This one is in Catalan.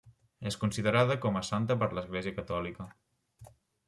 És considerada com a santa per l'Església catòlica.